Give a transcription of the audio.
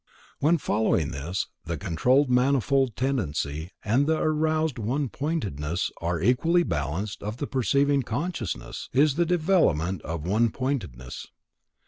When, following this, the controlled manifold tendency and the aroused one pointedness are equally balanced parts of the perceiving consciousness, his the development of one pointedness.